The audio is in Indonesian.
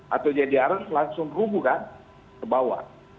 atau jadi aras langsung rumuhkan ke bawah